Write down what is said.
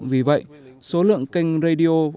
vì vậy số lượng kênh radio fm có khoảng một mhz